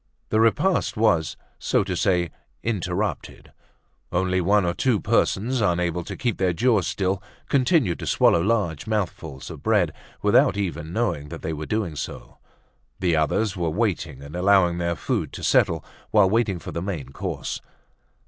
The repast was, so to say, interrupted; only one or two persons, unable to keep their jaws still, continued to swallow large mouthfuls of bread, without even knowing that they were doing so. The others were waiting and allowing their food to settle while waiting for the main course.